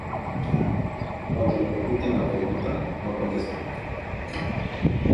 Cuando le repiten la pregunta, no contesta.